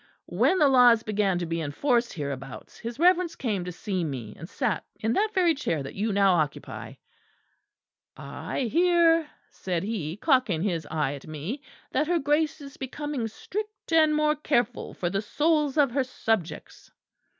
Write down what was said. When the laws began to be enforced hereabouts, his Reverence came to see me; and sat in that very chair that you now occupy. "'I hear,' said he, cocking his eye at me, 'that her Grace is becoming strict, and more careful for the souls of her subjects.'